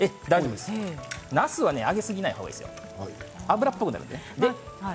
なすは揚げすぎないのがいいですよ、油っぽくなるので。